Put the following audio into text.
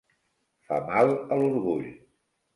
Fa mal a l"orgull.